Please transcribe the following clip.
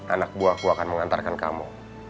anak buahku akan mengantarkan kamu